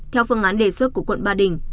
theo phương án đề xuất của quận ba đình